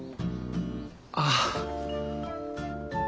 ああ。